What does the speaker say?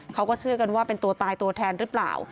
เขาก็เชื่อกันว่าเป็นตัวตายตัวแทนหรือเปล่า